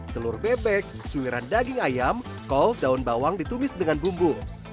telur bebek suiran daging ayam kol daun bawang ditumis dengan bumbu